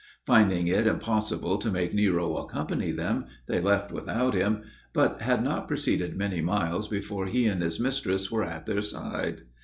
Finding it impossible to make Nero accompany them, they left without him, but had not proceeded many miles before he and his mistress were at their side.